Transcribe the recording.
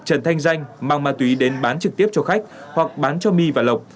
trần thanh danh mang ma túy đến bán trực tiếp cho khách hoặc bán cho my và lộc